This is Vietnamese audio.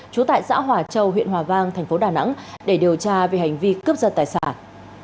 trú tại xã hòa châu huyện hòa vang thành phố đà nẵng để điều tra về hành vi cướp giật tài sản